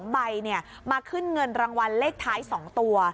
๒ใบมาขึ้นเงินรางวัลเลขท้าย๒ตัว